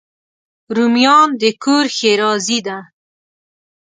رومیان د کور ښېرازي ده